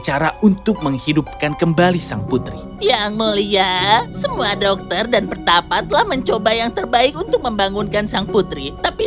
yang mulia semua dokter dan pertapa telah mencoba yang terbaik untuk membangunkan sang putri tapi